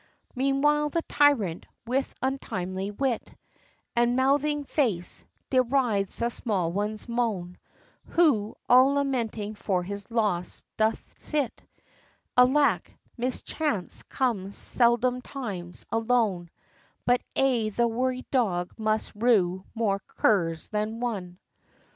Meanwhile, the tyrant, with untimely wit And mouthing face, derides the small one's moan, Who, all lamenting for his loss, doth sit, Alack, mischance comes seldomtimes alone, But aye the worried dog must rue more curs than one.